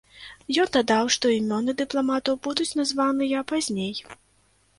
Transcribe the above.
Ён дадаў, што імёны дыпламатаў будуць названыя пазней.